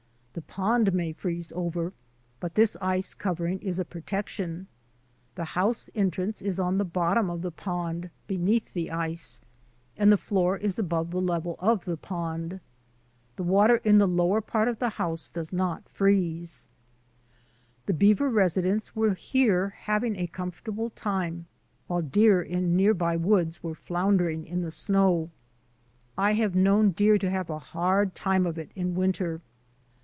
The pond may freeze over, but this ice covering is a protection. The house entrance is on the bottom of the pond beneath the ice, and the floor is above the level of the pond. The water in the lower part of the house does nor freeze. The beaver residents were here having a comfortable time while deer in near by woods were floundering in the snow. I have known deer to have a hard time of it in winter.